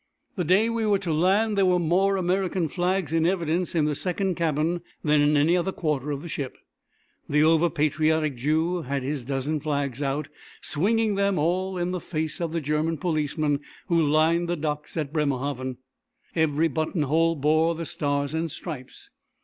The day we were to land there were more American flags in evidence in the second cabin than in any other quarter of the ship. The over patriotic Jew had his dozen flags out, swinging them all in the face of the German policemen who lined the dock at Bremerhaven. Every button hole bore the Stars and Stripes.